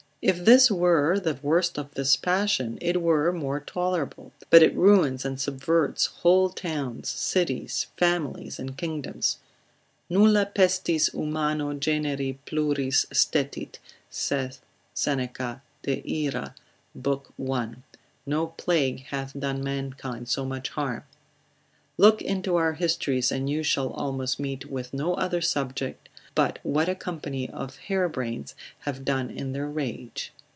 If this were the worst of this passion, it were more tolerable, but it ruins and subverts whole towns, cities, families, and kingdoms; Nulla pestis humano generi pluris stetit, saith Seneca, de Ira, lib. 1. No plague hath done mankind so much harm. Look into our histories, and you shall almost meet with no other subject, but what a company of harebrains have done in their rage.